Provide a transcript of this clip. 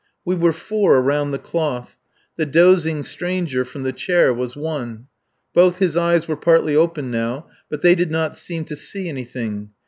We were four around the cloth. The dozing stranger from the chair was one. Both his eyes were partly opened now, but they did not seem to see anything.